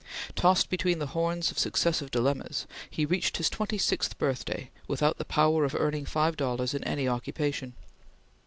Tossed between the horns of successive dilemmas, he reached his twenty sixth birthday without the power of earning five dollars in any occupation.